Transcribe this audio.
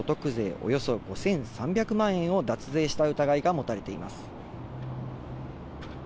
およそ５３００万円を脱税した疑いが持たれています。